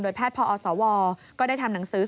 แพทย์พอสวก็ได้ทำหนังสือ